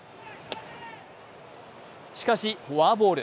しかし、フォアボール。